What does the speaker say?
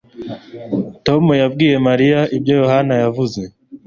Tom yabwiye Mariya ibyo Yohana yavuze